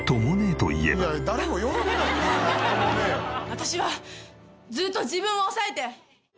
私はずっと自分を抑えて。